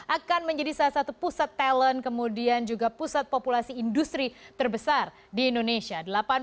akan menjadi salah satu pusat talent kemudian juga pusat populasi industri terbesar di indonesia